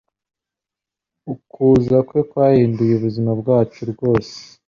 Ukuza kwe kwahinduye ubuzima bwacu rwose.